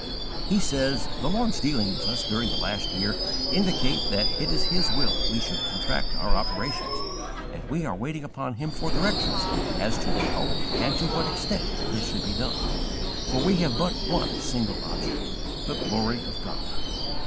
He says: "The Lord's dealings with us during the last year indicate that it is His will we should contract our operations, and we are waiting upon Him for directions as to how and to what extent this should be done; for we have but one single object the glory of God.